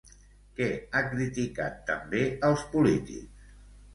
Què ha criticat també als polítics?